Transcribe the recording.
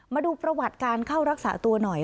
มาดูประวัติการเข้ารักษาตัวหน่อย